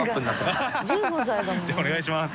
お願いします。